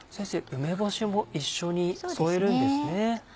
梅干しも一緒に添えるんですね。